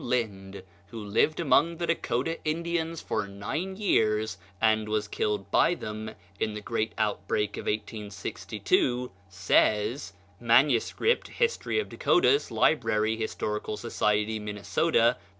Lynd, who lived among the Dakota Indians for nine years, and was killed by them in the great outbreak of 1862, says (MS. "Hist. of Dakotas," Library, Historical Society, Minnesota, p.